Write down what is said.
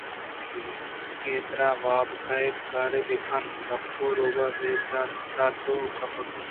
کہ ترا واب کئیت کار ءَ بِہ کن پکّا رُوبا ہے چات ءَ کپت